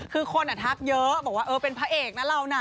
คือคนทักเยอะบอกว่าเออเป็นพระเอกนะเราน่ะ